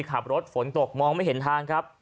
ขับรถฝนตกมองไม่เห็นทางครับ